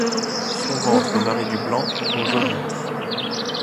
Son ventre varie du blanc au jaunâtre.